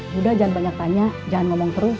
sudah jangan banyak tanya jangan ngomong terus